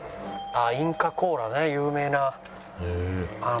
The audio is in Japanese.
あっインカコーラね有名な。